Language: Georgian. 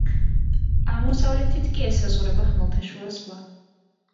აღმოსავლეთით კი ესაზღვრება ხმელთაშუა ზღვა.